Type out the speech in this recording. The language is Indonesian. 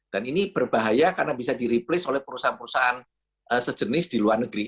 dan ini berbahaya karena bisa di replace oleh perusahaan perusahaan sejenis di luar negeri